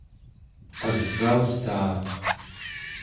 agaussaaq